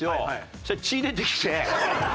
そしたら血出てきて。